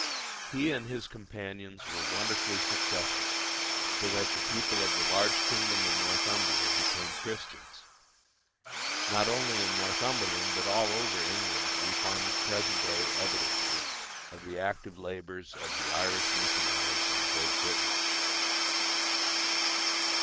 He and his companions were wonderfully successful, so that the people of the large kingdom of Northumbria became Christians. Not only in Northumberland but all over England we find at the present day evidences of the active labours of the Irish missionaries in Great Britain.